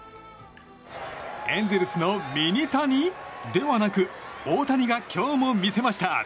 エンゼルスのミニ谷ではなく大谷が今日も見せました。